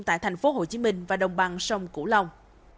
tại thành phố hồ chí minh và đồng bằng sông cửu long